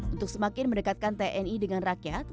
untuk semakin mendekatkan tni dengan rakyat